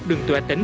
đường tuệ tỉnh